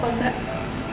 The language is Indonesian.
mama ada apa mbak